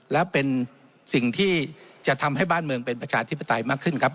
และเป็นสิ่งที่จะทำให้บ้านเมืองเป็นประชาธิปไตยมากขึ้นครับ